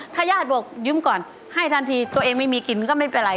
ถ้าญาติบอกยืมก่อนให้ทันทีตัวเองไม่มีกินก็ไม่เป็นไร